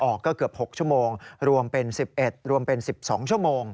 ออกก็เกือบ๖ชั่วโมงรวมเป็น๑๑รวมเป็น๑๒ชั่วโมง